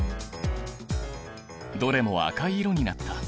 どれも赤い色になった。